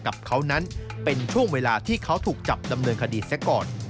กับเขานั้นเป็นช่วงเวลาที่เขาถูกจับดำเนินคดีซะก่อน